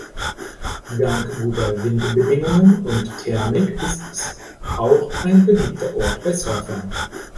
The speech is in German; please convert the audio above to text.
Dank guter Windbedingungen und Thermik ist es auch ein beliebter Ort bei Surfern.